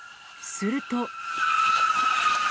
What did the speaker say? すると。